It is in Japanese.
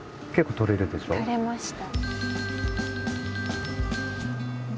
取れました。